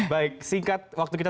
baik singkat waktu kita